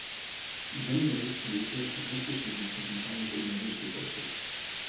Generally, it refers to high school students taking college or university courses.